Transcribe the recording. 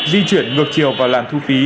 di chuyển ngược chiều vào làn thu phí